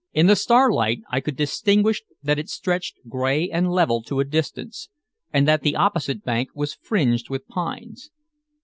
In the starlight I could distinguish that it stretched gray and level to a distance, and that the opposite bank was fringed with pines.